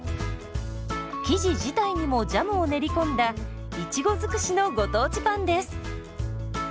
生地自体にもジャムを練り込んだいちご尽くしのご当地パンです。